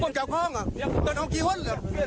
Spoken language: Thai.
คนเจ้าของอ่ะเตะล้องกี่หนึ่ง